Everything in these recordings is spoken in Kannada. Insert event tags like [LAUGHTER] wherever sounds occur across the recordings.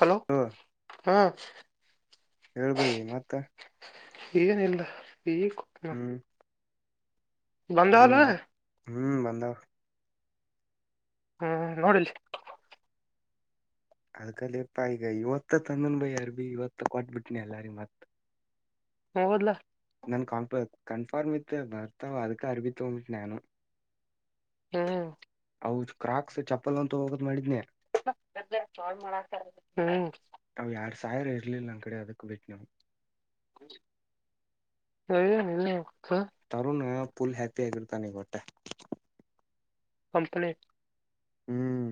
ಹಲೋ ಹಾ. ಹೇಳ್ಬಯ ಮತ್ತ. ಏನಿಲ್ಲ ಹ್ಮ್ [INAUDIBLE] ಹ್ಮ್ ಬಂಧಾವ್ಲೂ. ಮತ್ ಹ್ಮ್ ಬಂದಾವ. ಹ್ಮ್ ನೋಡಿಲ್ಲಿ. ಅದ್ಕಲಿಪ್ಪ ಈಗ ಇವತ್ತ ತಂದನ್ ಭಯ್ಯಾ ಅರಭಿ ಇವತ್ತ ಕೊಟ್ಬಿಟ್ನಿ ಎಲ್ಲಾರಿೀ ಮತ್. ಹೌದಲಾ. ನನ್ ಕಪ ಕನ್ಫಾರ್ಮ ಇತ್ ಭರ್ತಾವ ಅದಕ್ಕೆ ಅರಬಿ ತುಗೋಂಡ ಬಿಟ್ನಿ ನಾನು. ಹ್ಮ್ ಅವು ಕ್ರಾಕ್ಸ್ ಚಪ್ಪಲ್ ಒಂದು ತಗೋಬೇಕ ಅಂತ ಮಾಡಿದ್ನೇ ಕಾಲ್ ಮಾಡಾಕತ್ತಾರ ಹೂ ಅವ್ ಎರಡ್ ಸಾವಿರ ಇರ್ಲಿಲ್ಲ ನನ್ನ ಕಡೆ ಅದಕ್ಕ್ ಬಿಟ್ಟನೆ ಅವು ಅವು ನನ್ನು ತರುಣ್ಣ್ ಫುಲ್ ಹ್ಯಾಪಿ ಆಗಿರ್ತಾನ ಈಗ ಒಟ್ಟಾ ಕಂಪ್ಲೇಟ್ ಹ್ಮ್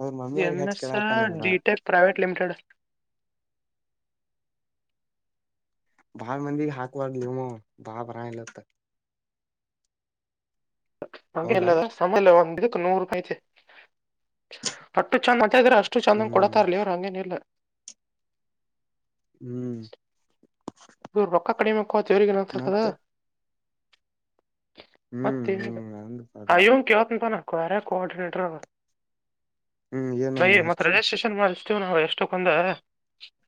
ಅವ್ರ ಎನ್ ಮಮ್ಮಿಯವ್ರಿಗೆ ಹಚ್ ಎಸ್ ಕೇಳತಾನ ಬಾ ಡಿಟೇಲ್ಸ್ ಪ್ರೈವಟ್ ಲಿಮಿಟೆಡ್ ಬಾಳ ಮಂದಿಗಿ ಆಕಬೇಡ ಲಿಮೋ ಬಾಳ ಬರಂಗಿಲ್ಲ ಅದಕ ಅಂಗಿಲ್ಲ ಅಲಾ ಒಂದಿನಕ ನೂರು ರೂಪಾಯಿ ಐತೆ ಅಷ್ಟು ಚೆಂದ್ ಮಾತಾಡಿದ್ರ ಅಷ್ಟು ಚಂದಂಗ ಹ್ಮ್ ಕೊಡತಾರ ಲೇ ಅವ್ರು ಹಂಗೇನಿಲ್ಲ ಹ್ಮ್ ಇವರು ರೊಕ್ಕ ಕಡಿಮೆಕ್ಕೊ ಅಂತ ಇವರಿಗೇರ್ ಗೊತ್ತಿರ್ತದ ಮತ್ತ ಹ್ಮ್ ಮತ್ತೇನಿಲ್ಲ ಹ್ಮ್ ಅಂದ ಆ ಅದಕ್ ಇವ್ನ ಕೇಳ್ತೀನಿ ತೊ ನಾ ಬೇರೆ ಕೋ ಆರ್ಡನೇಟರ್ ಅದರ ಹ್ಮ್ ಬೈ ಏನನ್ನು ಮತ್ತ ಹಚ್ಚಿ ರೆಜಿಸ್ಟ್ರೇಷನ್ ಮಾಡಸು ಎಸ್ಟೋಕ್ಕೊಂದು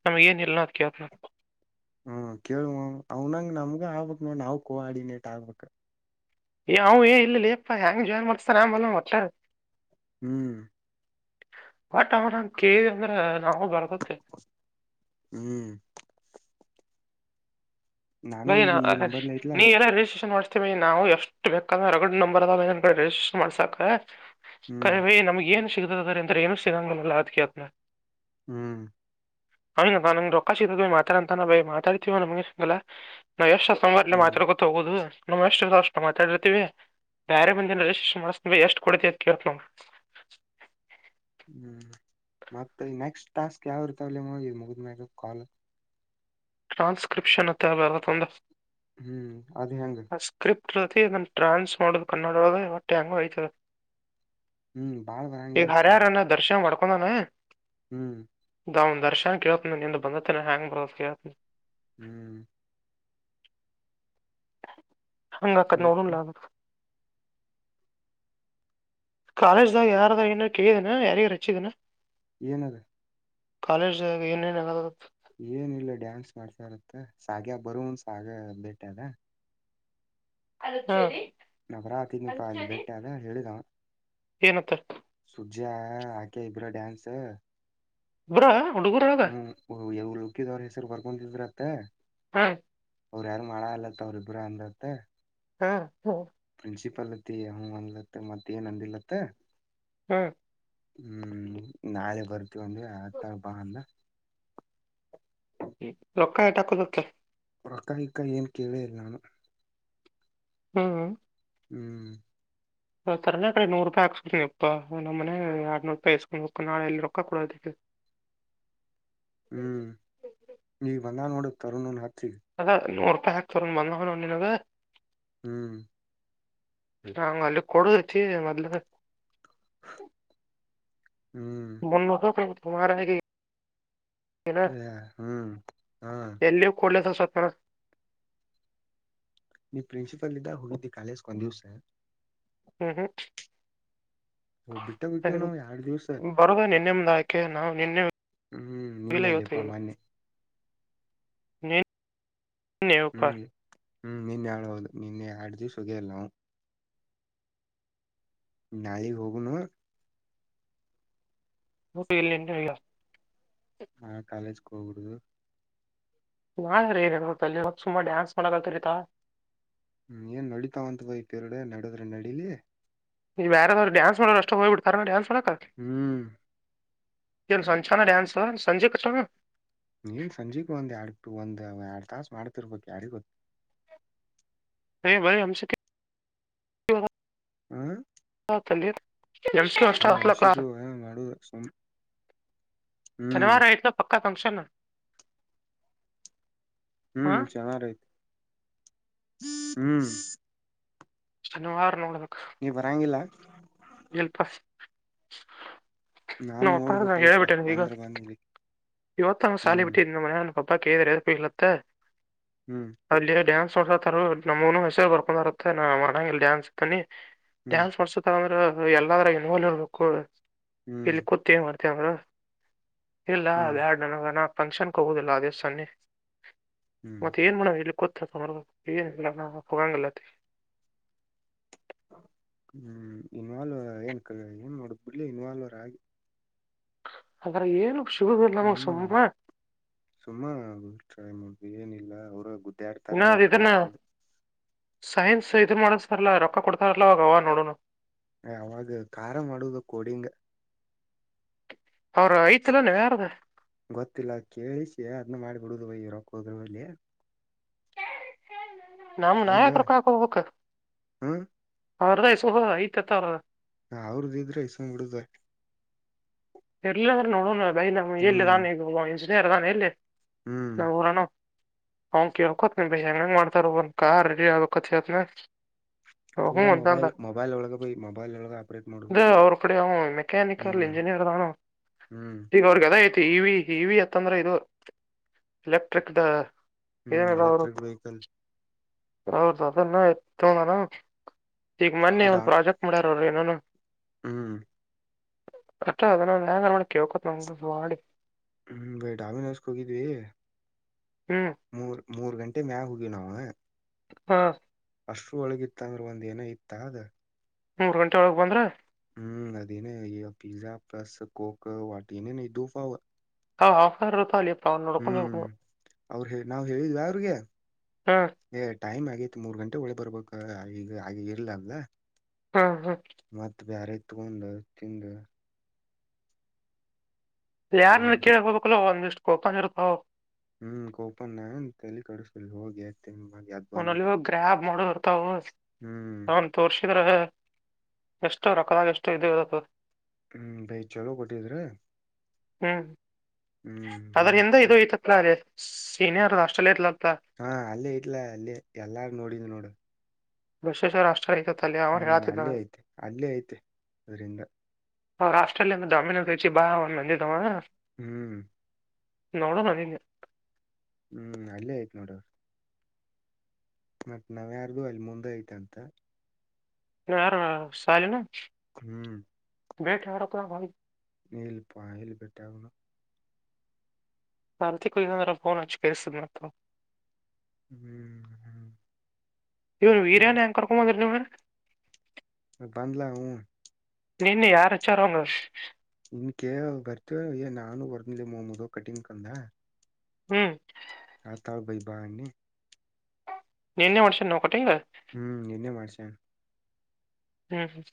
ಕೆಳಗಿಂದು ಇಲ್ಲ ಅಂತ ಕೇಳ್ತಾರ ಹ್ಮ್ ಕೇಳುವ ಅವನಂಗ್ ನಮ್ಗ ಆಗ್ಬಕ್ ನೋಡ್ ನಾವ ಕೋಆರ್ಡಿನೇಟ್ ಆಗ್ಬಕ್ ಏ ಅವ ಏ ಇಲ್ಲಿಪ್ಪ ಹೆಂಗ ಜಾಯನ್ ಮಾಡಸ್ತಾರೆ ಮಲುಮು ಹೊಚ್ಚರ ಹ್ಮ್ ಬಟ್ ಅವನ ಕೇಳಿದೆ ಅಂದ್ರ ನಾವು ಬರ್ಬೆಕ್ ಹ್ಮ್ ನಾನು ಬಯ ಈಗ ಈ ನಂಬರ್ಲ ಇಟ್ಲಾ ನೀ ರ ಎಲ್ಲ ರಿಜಿಸ್ಟ್ರೇಷನ್ ಮಾಡ ನಾವು ಎಷ್ಟು ಬೇಕಾದ್ರೆ ರಗಡ್ ನಂಬರ್ ಅದವು ಏನರ ರಿಜಿಸ್ಟರ್ ಮಾಡ್ಸಕ ಹ್ಮ್ ಕರೆವೆ ನಮಗ ಎನ್ ಸಿಗ್ತದ ಅದ್ರ ಏನು ಸಿಗಂಗಿಲ್ಲ ಅಂತ ಕೇಳ್ತೀನಿ ನಾ ಹ್ಮ್ [INAUDIBLE] ಅಂಗ್ ಬಾ ನನ್ನ ರೊಕ್ಕಾ ಸಿಗ್ತಾದ ಮಾತಾಡು ಅಂತಾನಲ್ಲ ಮಾತಾಡ್ತೀವಿ ಅಂದ್ರ ಉಮ್ನೆಸ್ ಅಲಾ ನಾವು ಎಷ್ಟು ಸಂಘಟನೆ ಹ್ಮ್ ಮಾತಾಡ್ಕೊ ಹೋಗೋುದು ನಾವ್ ಎಷ್ಟು ಅಷ್ಟು ಮಾತಾಡಿ ಇರ್ತೀವಿ ಬ್ಯಾರೆ ಬಂದಿಲ್ಲ ಇವೀಶ್ ಎಷ್ಟರಗ ಕೊಡ್ತಿ ಅಂತ ಕೇಳ್ತೀನಿ ಅವಾಗ [UNINTELLIGIBLE] ಹ್ಮ್ ಮತ್ತ ನೆಕ್ಸ್ಟ್ ಟಾಸ್ಕ್ ಯಾವು ಇರ್ತಾವುಲೇ ಇವು ಮುಗಿದ ಮ್ಯಾಗ ಕಾಲ್ ಟ್ರಾಸ್ಕ್ರಿಪ್ಷನ್ ಅಂತ ಅದ ಅದು ತಂದರ ಹ್ಮ್ ಅದ ಹೆಂಗ ಇದನ್ನು ಟ್ರಾನ್ಸ್ ಮಾಡೋದು ಕನ್ನಡ ಒಟ್ಟ ಹೆಂಗ ಐತಿ ಅದು ಹ್ಮ್ ಬಾಳ್ ಈ ಬರಂಗಿಲ್ಲತ್ಲ ಅದು ಹರಹಾರನ ದರ್ಶನ ಮಾಡ್ಕೊಂಡನ ಹ್ಮ್ ಅವನ ದರ್ಶನ್ ಕೇಳ್ತ ನಿಂದು ಬಂದೇತನ ಹೆಂಗ್ ಬ್ರೋ ಅಂತ ಕೇಳ್ತೀನಿ ಹ್ಮ್ ಹೆಂಗ್ ಆಕ್ಕಿತಿ ಮತ್ತ ನೋಡುನ್ಲ ಅದು ಕಾಲೇಜ್ದಾಗ ಯಾರ ಏನಾರ ಕೇಳಿದೀನ ಯಾರಿಗಾರ ಅಚ್ಚಿದೆನ್ ಏನದ ಕಾಲೇಜ್ ದು ಏನೇನು ಎಲ್ಲಾ ಗೊತ್ತಾದ ಏನಿಲ್ಲ ಡ್ಯಾನ್ಸ್ ಮಾಡ್ತಾ ಇರುತ್ತೆ ಸಾಗ್ಯ ಬರುವನ್ ಸಾಗೆ ಬೇಟೆ ಅದ ಹಾ ನಾ ಬರತ್ತಿದ್ನೇ ಪಾ ಅಲ್ಲಿ ಭೇಟೆ ಆದ ಹೇಳಿದಾವ ಏನತ್ತ ಪಜ್ಯ ಆಕಿ ಇಬ್ರು ಡಾನ್ಸ್ ಬ್ರೋ ಹುಡುಗುರು ಅದ ಯಾವ್ ಲುಕ್ಕಿಗ ಅವ್ರ ಹೆಸರು ಬರ್ಕೊತಿದ್ರಂತ ಹಾ ಅವ್ರ ಯಾರು ಮಾಡಲ್ಲಾ ಅತ್ತ ಅವ್ರ ಇಬ್ಬರು ಅಂದ್ರತ್ತ ಹಾ ಹ ನ್ಸಿಪಲ್ತಿ ಹ ಅಂದ್ಲತ್ತ ಮತ್ತ ಏನ್ ಅಂದಲತ್ತ ಹ್ಮ ಹ್ಮ್ ನಾಳೆ ಬರ್ತೀವೊಂಡವಿ ಆತಬ ಅಂದ ಹ್ಮ ರೊಕ್ಕ ಆಟಕ್ಕ ನತ್ತ ಪರಕಾಯ ಕಾಯಿಯಏನ್ ಕೀಳ ಎಲ್ಲಾನ ಹ್ಮ್ ಹ್ಮ್ ಆಥರನೇ ಕಡೆ ನೂರು ರೂಪಾಯಿ ಹಾಕಸ್ಕತನಿ ಅಪ್ಪ ನಮ್ಮನೆ ಎರಡ್ನೂರು ರೂಪಾಯಿ ಹಸ್ಕೊಂಡು ಹ ನಾಳೆಲ್ಲಿ ರೊಕ್ಕ ಕೊಡೋದಕ್ಕೆ ಹ್ಮ್ ನೀ ಬಂದಾನೋಡ ತರಣ ಹಾ ಅದ ನೂರು ರೂಪಾಯಿ ಹಾಕ್ತರ್ ಬಂದ ನೋ ನಿನಗೆ ಹ್ಮ್ ನಂಗ ಅಲ್ಲಿ ಕೊಡುದತಿ ಮೊದ್ಲು ಹ್ಮ್ ಮಂದ ತುಾರ ಹ ಹ್ಮ್ ಹಾ ಹಾ ನೀ ಪ್ರಿನ್ಸಿಪಲ್ ಇದಿಂದ ಹುಡು್ದಿ ಕಾಲೇಜ್ ಕೊನೆ ದಿವಸ ಹ್ಮ್ ಓ ಬಿಟ್ಟ ಬಿಟ್ಟಿವ್ ನಾವ್ ಎರಡ್ ದಿವ್ಸ ಹ್ಮ್ ಬರುದ ನಿನ್ನೆ ಮುಂದ ಆಯ್ಕೆ ನಾವು ನಿನ್ನೆ ಹ್ಮ್ ನಿನ್ನೆಲ್ಲಿ ಅಪ್ಪಾ ಮೊನ್ನೆ ವುಪ್ಪ ಹ್ಮ್ ಹ್ಮ್ ನಿನ್ನೆ ಹಳ್ಬಹದು ನಿನ್ನೆ ಆಡ್ದ್ವಿ ಸುಗಲ್ಲ ನಾವು ನಾಯಿಗ್ ಹೋಗನು ಹ ಇಲ್ಲ ನಿಗಾ ಕಬಿಡದು ನಾನ್ೀ ಏನ್ ಹೇಳೇಳ್ಬತಲ್ಲಿ ಇವಾಗ ಸುಮಾ ಡ್ಯಾನ್ಸ್ ಮಾಡಕಲ್ತರಿತಾ ಹ್ಮ್ ಏನ್ ನಡತಾವತ್ ಬಯ ಪೇರುಡೆ ನಡದ್ರೆ ನಡೀಲಿ ನೀವು ಯಾರಾದ್ ಾನ್ ಮಾಡೋ ಅಷ್ಟ ಹೋಗ್ ಬಿಡ್ತಾರ ಾನ್ಸ್ ಮಾಡ ಹ್ಮ್ ಏನು ಸಂಚಾನ ಡ್ಯಾನ್ಸ್ಲ್ಲ ಸಂಜೆ ಕಚಣ ನೀಏನ್ ಸಂಜೆಗೂ ಒಂದ್ ಎಡ್ಟು ಒಂದ್ ಎರಡ್ ತಾಸ ಮಾಡ್ತಿರ್ಬೇಕಕ್ ಯಾರಿಗ ಗೊತ್ತ ಹ ಭ ಹ ಹ್ಮ ತಂದರ್ ಹ ಎಂಶಿಿಕ ಮಾಡು ಹ್ಮ್ ಫಕ್ಷನ್ ಹ್ಮ್ ಚನಐತಿ ಹ್ಮ್ ಶನಿವಾರ ನೋಡಬೇಕು ನೀ್ ಬರಂಗಿಲ್ಲ ಇಲ್ಲಿ ಪಸ್ [UNINTELLIGIBLE] ನಾನ್ ನೋಡ್ಬಕ್ಲಿಪಾ ಬಂದ್ರ ಬಂದಿ ಇವತ್ತು ಸಾಲಿ ಬಿಟ್ಟಿ ಮನ ನ [UNINTELLIGIBLE] ಅ [UNINTELLIGIBLE] ಹ್ಮ್ ತ ನಮ್ಷಸ ಬರ್ಕೊಂಡ್ರತ್ತ ನ್ರಂಗ ಡ್ಯಾನ್ಸ್ ಇತ್ತಾನಿ ಹ್ಮ್ ಡ್ಯಾನ್ಸ್ ಮಾಡಸತ ಅಂದ್ರ ಎಲ್ಲರ ಇನ್ಲ್ವ್ ಇಬೇಕು ಹ್ಮ್ ಇಲ್ಲಿ ಕೂತ್ತೇ ಮಾಡ ಂದರು ಇಲ್ಲ ಹ್ಮ್ ಎರಡ್ ನನಗನ ಫಂಕ್ಷನ್ಗೆ ಹೋಗೋುದಿಲ್ಲ ದಿವ್ಸನ್ನಿ ಹ್ಮ್ ಮತ್ತೆ ಏನ್ ಮಾಡೇವ್ ಇಲ್ಲಿ ಗತ್ [UNINTELLIGIBLE] ಹ್ಮ್ ಇನ್ವಾಲ್ವ್ ಏನ್ ಏನ್ ನೋಡ್ ಬಿಡ್ಲಿ ಇನ್ವಾಲ್ವರ್ ಆಗಿ ಆದ್ರೆ ಏನು ಶುಭಗಳುಲ್ಲಮ್ಮ ಹ್ಮ್ ಸಮ್ಮ ಸುಮ್ಮ ಟ್ರೈ ಮಾಡುದು ಏನಿಲ್ಲ ಅವರು ಗುದ್ದಾಡ್ತಾರ ಇನ್ನ ಅದ್ ರೊಕ್ಕ ಇದನ್ನ ಅಷ್ಟಕ ಸೈನ್ಸ್ ಇದು ಮಾಡಸ್ತಾರಲ್ಲ ರೊಕ್ಕ ಕೊಡ್ತಾರಲ್ಲ ಅವಾಗ ಅವ ನೋಡನು ಅವಾಗ ಖಾರ ಮಾಡುದ ಕೊಡಿಂಗ ಅವ್ರ ಐತಿಲ್ಲ ನೀ ಯಾರದ ಗೊತ್ತಿಲ್ಲ ಕೇಳಿಸಿ ಅದ್ನ್ನ ಮಾಡಿಬಿಡುದು ಬ ರೊಕ್ಕ ಹೋದ್ರ ಅಲ್ಲಿ ನಮ ಹೌದ್ಲ ನಾಯಕ ರಕಾಕ್ ಹೋಗಬೇಕಕ್ ಹ್ಮ ಅವ್ರದ ಐತತ್ [UNINTELLIGIBLE] ಹ ಅವ್ರದ ಇದ್ರೆ ಇಸ್ಕ್ ಬಿಡುದ್ ಎಲ್ಲ ಅಂದ್ರೆ ನೋಡೋಣ ಬ ಎಲ್ಲಿದಾನ ಈಗ ಇಂಜಿನಿಯರ್ದಾನ ಎಲ್ಲಿ ಹ್ಮ್ ನಾ ಊರನ ಹ ಕೇಳಕತ್ ನೀ ಬ ಹೆಂಗ ಹೆಂಗ ಮಾಡ್ತಾರ ಒಂದ ಕಾ ರೆಡಿ ಆಗಕತ್ೇತ್ನ ಪೂರಾ ಮೊಬೈಲ್ ಮೊಬೈಲ್ ಒಳಗ ಪಯ ಮೊಬೈಲ್ ಒಳಗ ಆಪ್ರೇಟ್ ಮಾಡುವ ಹ್ಮ್ ಎನೇ ಎರದೋ ಹ್ಮ್ ಐ ಇವಿ ಇವಿ ಅತ್ತಂದ್ರೆ ಇದು ಎಲೆಕ್ಟ್ರಿಕ್ ದ ಹ್ಮ್ ಎಲೆಕ್ಟ್ರಿಕ್ ವೆಹಿಕಲ್ ರೌ್ರ ಅದನ್ನು [UNINTELLIGIBLE] ಣ ಈಗ ಮೊನ್ನೆ ಡಾ ಒಂದ್ ಪ್ರಾಜೆಕ್ಟ್ ಮಾಡ್ಯ ರನನು [UNINTELLIGIBLE] ಹ್ಮ್ ಅಷ್ಟ ಅದಯಂಗ ಮಾಡ ಕೇಳ್ಕೋ ನಸ ಮಾಡಡಿ ಹ್ಮ್ [UNINTELLIGIBLE] ಡೊಮಿನೋಸ್ ಗೆ ಹೋಗಿದ್ವಿ ಹ್ಮ್ ಮೂರ್ ಮೂರ್ ಗಂಟೆ ಮ್ಯಲ್ ಹೋಗ್ಯವಿ ನಾವು ಹಾ ಅಷ್ಟರು ಒಳಗಿತ್ತ ಅಂದ್ರೆ ಒಂದ ಏನ ಇತ್ತ ಅದ ಮೂರು ಗಂಟೆೊಳಗೆ ಬಂದ್ರೆ ಹ್ಮ್ ಅದ ನ ಈ ಪಿಜಜಾ ಪ್ಲಸ್ ಕೊಕ್ [UNINTELLIGIBLE] ಹ ಹಾಫ್ನ್ ಅವರ್ತ್ತ [UNINTELLIGIBLE] ಅ ಅವೋಡ್ಕೊಂಡ ಅವ್ರ ನಾವ್ ಹೇಳಿದ್ವಾ ಅವ್ರಿಗೆ ಹ್ಮ್ ಏ ಟೈಮ್ ಆಗಿತ್ತು ಮೂರ್ ಗಂಟೆ ಒಳೆ ಬರ್ಬೇಕ ಈಗ ಹಾಗೆ ಇರ್ಲ ಅಲ್ಲ ಹ್ಮ್ ಹ್ಮ್ ಮತ್ತ ಬೇರೆ ಕತ್ಕೊಂಡ ತಿಿಂದ [UNINTELLIGIBLE] ಇ ಯಾರನಾರ ಎದ್ದು ಕೇಳಕ್ ಹೋಗಬೇಕಲ ಒಂದಿಷ್ಟು ಕೋಪನ್ ಇರ್ತಾವ ಹ್ಮ್ ಕೋಪನ್ ತಲಿ ಕಡಸಲ್ ಹೋಗಿ ಎದ್ದ ಮಾಡಿ ಎದ್ ಅವನಲ್ಲಿ ಬಂದ್ಬಿಟ್ಟಿ ಗ್ರ್ಯಾಬ್ ಮಾಡೋರ್ತಾವ ಹ್ಮ್ ಅವನ್ ತೋರ್ಸಿದ್ರ ಎಷ್ಟು ರೊಕ್ಕದಾಗ ಎಷ್ಟು ಇ ಅದ ಹ್ಮ್ ಬೈ ಚಲೋ ಕೊಟ್ಟಿದ್ರ ಹ್ಮ್ ಹ್ಮ್ ಅದ್ರ ಎಂದ ಮತ್ತ ಇದು ಐತತ್ಲ ಅದೇ ಸೀನಿಯರ್ ಆಸ್ಟ್ರೇಲಿಯ ಹಾ ಅಲ್ಲೇ ಇಟ್ಲ ಅಲ್ಲಿೇ ಎಲ್ಲಾರು ನೋಡಿದ ನೋಡು [UNINTELLIGIBLE] ಅಲ್ಲಿ ಅವ ಹ್ಮ್ ಹೇಳತಿದ್ದ ಅಲ್ಲೇ ಐತೆ ಅಲ್ಲೇ ಐತೆ ಅದರಿಂದ ಹ ಆಸ್ಟ್ರೇಲಿಯಾ ೊಮಿನೋಸ್ಿ ಬಾ ಒನ್ ಮಂದಿ ತಮ್ಮ ಹ್ಮ್ ನೋಡೋಣಡಿನ್ [UNINTELLIGIBLE] ಹ್ಮ್ ಅಲ್ಲೇ ಆಯ್ತು ನೋಡವರು ಮತ್ತ್ ನಾವ್ಯಾರ್ದು ಅಲ್ಲಿ ಮುಂದೆ ಐತ ಅಂತ ಯಾರು ಶಾಲಿನ ಹ್ಮ್ ಬೇಟ ಯಾರತದ ಭಿ [UNINTELLIGIBLE] ನೀಲ್ಲಿಪ ಎಲ್ಲಿಪಟ್ಟಾಗನು [UNINTELLIGIBLE] ಆಾರತಿ ಕೊ ಮ ಫೋನ್ ಆಚಕಸನೆಪ್ಪ ಹ್ಮ್ ಹ್ಮ್ [INAUDIBLE] ಇವನ್ ಹ್ಮ್ ವೀರ್ಯನು ಯಾಕೆ ಕರ್ಕೊಂಡು ಬನಿದ್ರಿ ಇವ್ನ್ ಬಂದಲ ಹ ನಿನ್ನ ಯಾರ ಹೆಚ್ಚಾರಂಗ್ ನಿನ್ ಕ ಬರ್ತ ನಾನು ಬರ್ದಿಲ್ಲ ಮೋದ ಕಟಿಂಗ್ ಕಂದ [INAUDIBLE] ಹ್ಮ್ [INAUDIBLE] ಆ ತಾಳಬೈಿ ಬಾ ಅಿ ನೀನ್ನೇ ಮಾಡ್ಸನ್ ನವು ಕೊಟ್ಟಿಂಗ ಹ್ಮ್ ನ್ನೆ ಮಾಡ್ಸನ್ ಹ್ಮ್ ಹ್ಮ್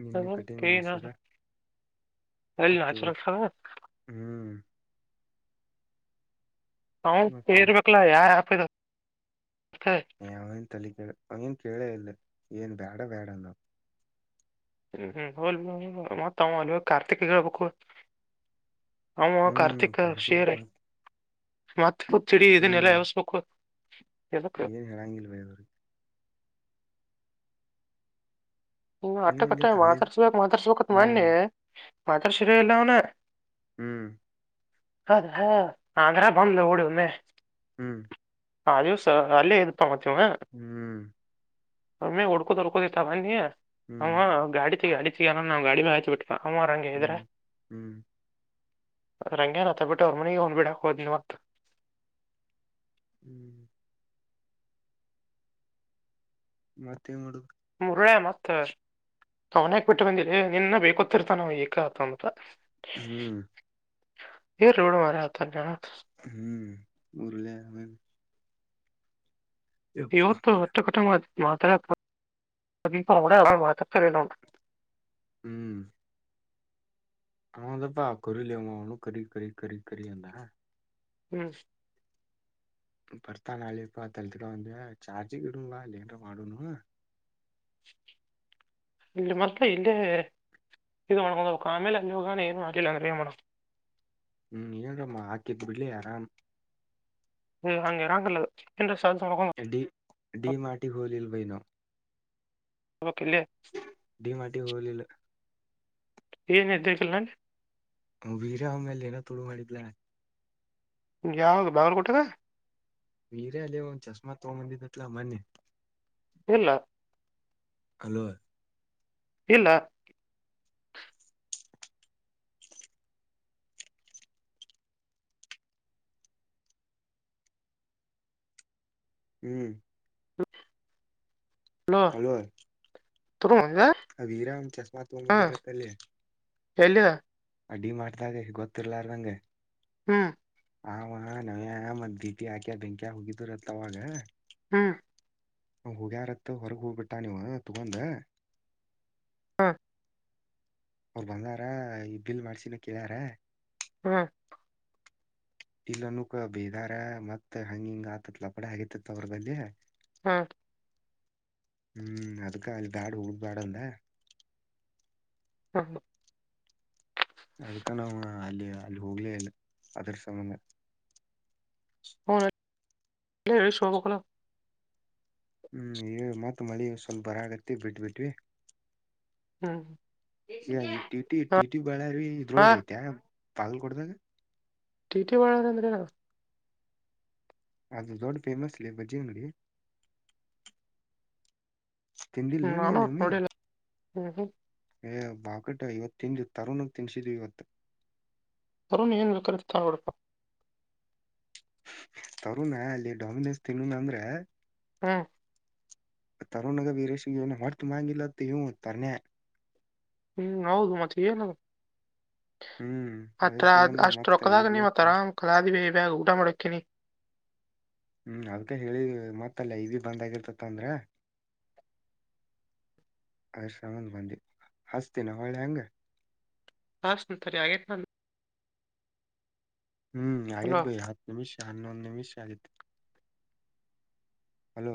ನೀನ್ನ ಕಟಿಂಗ್ ಮಾಡ್ಸಿದ ಲ್ಲಿ ಮತ್ತ ನಾಚರ ಇವತ್ ಹ್ಮ್ ಹ ಮತ್ತಲ್ಲಿ ಪೇರ್ಬೇಕಲ್ಲಾ ಯಾರು ಆಪತ ಅವನ್ ತಲೆಕ ಅವೇನ್ ಕೇಳೇ ಇಲ್ಲ ಏನ್ ಬ್ಯಾಡ ಬ್ಯಾಡ ನ ಹ್ಮ್ ಹ್ಮ್ ಹಲ್ ಮತ್ತ ಅಲ್ವ ಕಾರ್ತಿಕ ಹಬೇಕ ಅಕ ಹ್ಮ್ ಕರ್ದಿಲ್ ಆರ್ಥಿಕಷೇರೆ ಮತ್ ಮತ್ತೆ ತಿಡಿ ಇದನ್ನೆಲ್ಲಾ ಹ್ಮ್ ಯಸ್ಬೇಕು ಏನ್ ಹೇಳಳಾಂಗಿಿಲ್ಲ ಭಯ ಅವ ಇ ಅಟ್ಟ ನೀವ ಕಟ್ಟ ಇಲ್ಲಿ ಕಾಲೇಜ್ ಮಾತಾಡ್ಸ್ಬೇಕಕ್ ಮಾತಾಡ್ಸ್ಬೇಕತ್ ಹ್ಮ್ ಮನ್ನಿ ಮಾತಾಡ್ಸಿರ ಇಲ್ಲ ಅವನ ಹ್ಮ್ ಅೌದ ನ್ರ ಬಂದ್ ೋಡು ಒಮ್ಮೆ ಹ್ಮ್ ಹ ದಿವ್ಸ ಅಲ್ಲೇ ಇ ಮತ್ತ ಇವ ಹ್ಮ್ ಒಮ್ಮೆ ಹೊಡ್ಕೋದ ಹೊಡ್ಕೋದ ಇರ್ತ ಬಿ ಹ್ಮ್ ಅವ ಗಾಡಿ ಗಾಡಿಗಲ್ಲ ನಾವು ಗಾಡಿ ಮೆ ಹಾಚಬ ಬಿಟ್ಟವಿ ಸಾಮಾರಂಗೆ ಇದ್ರೆ ಹ್ಮ್ ಹ್ಮ್ ರಂಗೇನ್ತ್ತ ಬಿಟ್ ಅವ್ರ ಮನೆಗೆ ಹೊಂದ್ಬಿಡ ಹಾಕ್ೋದ್ ನಿವತ್ ಹ್ಮ್ ಮತ್ತೆ ಹುಗ ಮುರುಳ್ಯ ಮಾತರ್ ಅವನ್ಕ್ ಯಾಕ್ಬಿಟ್ಟು ಬಂದಿರಿ ನಿನ್ನ ಬೇಕೊತ್ತಿರ್ತಾನಾ ಏಕತ ಅಂತ ಹ್ಮ್ ಏ ರೋಡ ಮಾರತ ನ ಹ್ಮ್ ಉರಲ ಇವತ್ತು ಹೊಟ್ಟ ಕಟಂಗ ಮಾತ್ರ ಅ ಮಾತ್ರ ಚ ಹ್ಮ್ ಆದ ಭಾ ಕೊರಿ ಲೇವ ನು ಕರಿ ಕರಿ ಕ ಕಿ ಆ ಹ ಹ್ಮ್ ಭರ್ತಾ ನಾಳೆಪ್ಪ ತಳತಿಟ ಬಂದ ಚಾರ್ಜಿ ಇಡುಾ ಇಲ್ಲನ್ ಮಾಡೋಣ ಇ ಮರ್ತ ಇೇ ಇದು ಮಣಕ ಕಾಮೇಲೆ ಅನ್ೋಗಾನ ಏನು ಮಾಿಲ್ಲ ಅಂದ ಮಾಡೇಣಕ ಹ್ಮ್ ಏಮ್ಮ ಆಕಿ ಕ ಬಿಲ ಆರಾಮ ಹ ಹಂಗ ಇರಾಂಗಲ್ಲ ಎ್ರೆಸ್ ಅಕ ಡಿ ಡಿ ಮಾಡಟಿ ಹೋಲಲ್ ವೈನೋ ಹೋಗ್ಬೇಕು ಇಲ್ಲಿ ಡಿ ಮಾರ್ಟ್ ಗೆ ಹೋಗ್ಲಿವಾ ಏನುದರಿಕಲ್ಲಲ್ಲಡಿ ವೀರ್ಯ ಅವ ಮೇಲೆ ಏನೋ ತೋಡು ಮಾಡಿದ್ಲ ಯಾವ ಬಾವರ್ ಕೊಟ್ಟಿದೆ ವೀರೆಲ್ಲಿೇವ ಚಸ್ಮಾ ತ ಮಂದಿದ್ದ ಎಟ್ಲ್ಲ ಮನೆ ಇಲ್ಲ ಹಲೋ ಇಲ್ಲ ಹ್ಮ್ ಹ ಹಲೋ ತರ ಆ ವೀರಂ್ ಚಸ್ಮಾ ತಗಂಬತ್ತಲ್ಲೇ ಎಲ್ಲಿದ ಅಡ್ಡಿ ಮಾಡ್ದಾಗೆ ಗೊತ್ತಿರ್ಲಾರ ನಂಗೆ ಹ್ಮ್ ಆ ನವ್ಯಾ ಮತ್ ದೀಟಿ ಆಾಕ್ಯ ಬೆಂಕ್ಯಾ ಹೋಗಿದರತ್ ಅವಾಗ ಹ್ಮ್ ಹ ಹೋಗ್ಯಾರತ್ ಹೊರಗ್ ಹೋಗ್ಬಿಟ್ಟ ನೀವು ತಗಂದ ಹಾ ಅವರು ಬಂದಾರ ಈ ಬಿಲ್ ಮಾಡ್ಸಿನಕ್ಕಿದ್ಯಾರ ಹಾ ಇಲ್ಲನಕ ಬೇದಾರ ಮತ್ತತ್ ಹಂಗ ಹಿಂಗ ಆತತ್ ಲಪಡ ಹಗೇತಿತ್ ಅವರ್ಗಲ್ಲಿ ಹಾ ಹ್ಮ್ ಅದಕ್ಕ ಅಲ್ಲಿ ದಾಡು ಉಳ ಬಾಡುಂದ ಹ ಅದ್ಕಣ ಅಲ್ಲಿ ಅಲ್ಲಿ ಹೋಗ್ಲೇ ಇಲ್ಲ ಅದ್ರ ಸಂಬಧ ಹ ಶೋಪಕಲ ಹ್ಮ್ ಮತ್ ಮಳಿ ಸ್ವಲ್ಪ ಬರ ಆಗತ್ತ ಬಿಟ್ಬಟ್ವಿ ಹ್ಮ್ ಈ ಟಿಟಿ ಟಿಟಿ ಬಾಳಾರ ಇದ ಆ ಇದ್ರೊಳಗ ಐತೆ ಪಗಲ್ ಕೊಡದಾಗ ಟಿಟಿ ಬಳಾರಂದ್ರೆನ ಅದು ದೊಡ್ ಫೇಮಸ್ ಇಲ್ಲಿ ಬಜ್ಜಿ ಅಂಗಡಿ ತಿಂದಿಲ ಹ್ಮ್, ನ ನೀ ನಾನು ಒಟ್ ಅಲಮ್ಮ ನೋಡಿಲ್ಲ ಹ್ಮ್ ಹ್ಮ್ ಏ ಬಾಕಟ ಇವತ್ತು ತಿಿಂದ ತರನಾಗ ತಿನ್ಸಿದ್ವಿ ಇವತ್ತು ಅರುಣ್ ಏನು ಕತ ನಡಪ್ಪ ತರುಣ ಅಲ್ಲಿ ಡಾಮಿನೋಸ್ ತಿನ್ನುೋಣ ಅಂದ್ರ ಹ್ಮ ತರುಣಗ ವೀರೇಶ ಏನು ಮರ್ತು ಮಾಡಗಿಲ್ಲತ್ತ ಇೂ ತರ್ನೆೆ ಹ್ಮ್ ಹೌದು ಮತ್ತಏಲ್ಲ ಹ್ಮ್ ಅದ್ರ ಅತ್ರ ಸಂಬಂಧ ಅಷ್ಟ ಮತ್ತ ರೊಕ್ಕದಾಗ ನೀವತ್ ಇರ್ಲತ್ತ ಆರಾಮ್ ಕಾಲಾದ್ವಿ ಬ್ಯಗ ಊ ಮುಡಕ್ಕೆಿನಿ ಹ್ಮ್ ಅದ್ಕ ಹೇಳಿದ ಮತ್ತಲ್ಲ ಇ ಬಂದ್ಾಗಿರ್ತತ ಅಂದ್ರ ಅ ಶನ್ ಬಂದಿ ಹಸ್ತೀಿನ ಒಳ್ಳೆ ಹಂಗ ಹಾಸ ತರಿ ಆಗೇ ನ ಹ್ಮ್ ಅಲ್ವಾ ಆಗೇತ್ ಬೈಿ ಹತ್ತು ನಿಮಿಷ ಹನ್ನೊಂದು ನಿಮಿಷ ಆಗೇತಿ ಹಲೋ